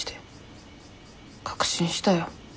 確信したよ。